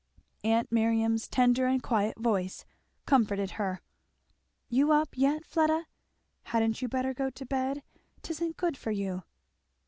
Aunt Miriam's tender and quiet voice comforted her. "You up yet, Fleda! Hadn't you better go to bed? 'Tisn't good for you."